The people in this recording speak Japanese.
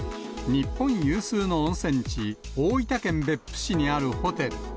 日本有数の温泉地、大分県別府市にあるホテル。